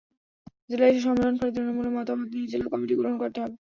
জেলায় এসে সম্মেলন করে তৃণমূলের মতামত নিয়ে জেলা কমিটি গঠন করতে হবে।